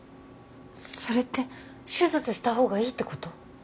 それって手術したほうがいいってこと？